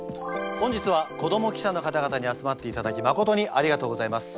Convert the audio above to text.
本日は子ども記者の方々に集まっていただきまことにありがとうございます。